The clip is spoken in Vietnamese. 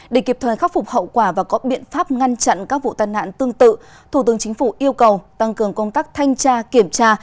để kịp thời khắc phục hậu quả và có biện pháp ngăn chặn các vụ tai nạn tương tự thủ tướng chính phủ yêu cầu tăng cường công tác thanh tra kiểm tra